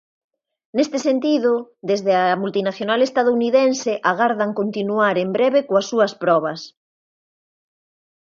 Neste sentido, desde a multinacional estadounidense agardan continuar en breve coas súas probas.